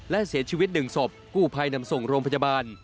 และเสียชีวิตหนึ่งศพกู้ภัยนำส่งโรงพยาบาล